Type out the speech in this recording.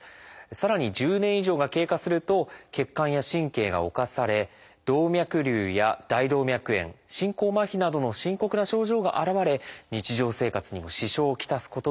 さらに１０年以上が経過すると血管や神経が侵され「動脈りゅう」や「大動脈炎」「進行まひ」などの深刻な症状が現れ日常生活にも支障を来すことがあります。